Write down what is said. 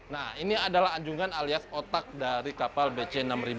nah ini adalah anjungan alias otak dari kapal bc enam ribu